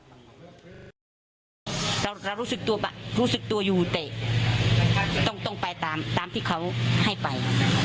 เรารู้สึกตัวรู้สึกตัวอยู่แต่ต้องไปตามที่เขาให้ไป